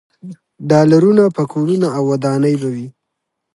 ډالرونه، پکولونه او ودانۍ به وي.